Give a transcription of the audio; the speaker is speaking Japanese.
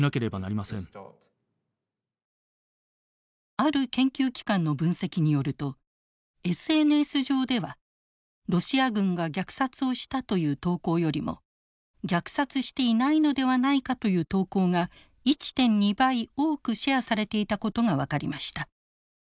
ある研究機関の分析によるとＳＮＳ上ではロシア軍が虐殺をしたという投稿よりも虐殺していないのではないかという投稿が１．２倍多くシェアされていたことが分かりました。